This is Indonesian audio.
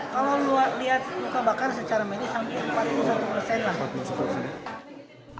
kalau lihat luka bakar secara medis sampai empat puluh satu persen lah